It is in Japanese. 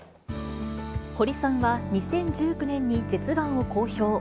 堀さんは２０１９年に舌がんを公表。